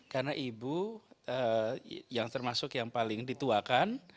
karena ibu yang termasuk yang paling dituakan